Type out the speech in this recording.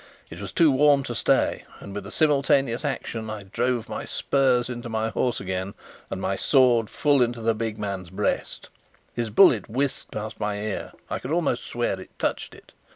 It was too warm to stay, and with a simultaneous action I drove my spurs into my horse again and my sword full into the big man's breast. His bullet whizzed past my ear I could almost swear it touched it.